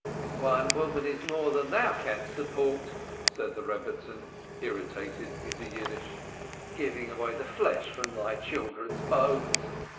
"One woman is more than thou canst support," said the Rebbitzin, irritated into Yiddish, "giving away the flesh from off thy children's bones.